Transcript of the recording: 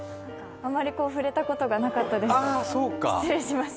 あまり触れたことがなかったです、失礼しました。